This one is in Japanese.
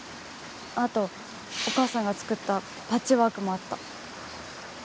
あとお母さんが作ったパッチワークもあった。